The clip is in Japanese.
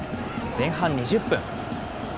前半２０分。